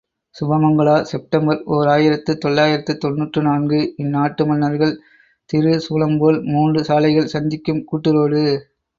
Subhamangala, September ஓர் ஆயிரத்து தொள்ளாயிரத்து தொன்னூற்று நான்கு இந்நாட்டு மன்னர்கள் திரிசூலம்போல், மூன்று சாலைகள் சந்திக்கும் கூட்டுரோடு.